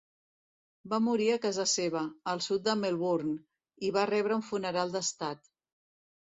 Va morir a casa seva, al sud de Melbourne, i va rebre un funeral d'estat.